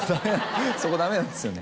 そこダメなんですよね